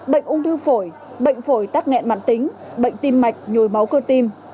bệnh ung thư phổi bệnh phổi tăng em mạng tính bệnh tim mạch nhồi máu cơ tim